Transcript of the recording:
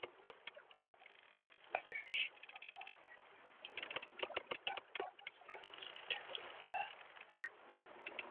Agar shu falokat ertalab, maktab bolasi o‘qishga ketayotganida